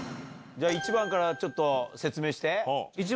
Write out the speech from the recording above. １番からちょっと説明して。